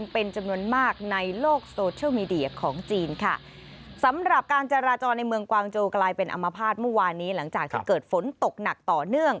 เป็นอัมภาษณ์เมื่อวานนี้หลังจากเกิดฝนตกหนักต่อเนื่อง